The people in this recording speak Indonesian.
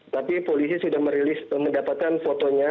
tapi polisi sudah merilis mendapatkan fotonya